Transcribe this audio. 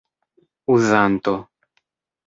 uzanto